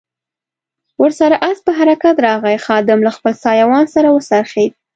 ور سره آس په حرکت راغی، خادم له خپل سایوان سره و څرخېد.